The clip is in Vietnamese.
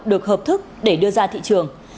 được hợp thức để đưa ra thị trường